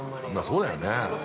◆そうだよね。